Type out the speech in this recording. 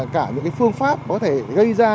cả những cái phương pháp có thể gây ra